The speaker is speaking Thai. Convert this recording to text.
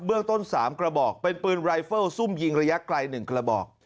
เรื่องต้น๓กระบอกเป็นปืนรายเฟิลซุ่มยิงระยะไกล๑กระบอก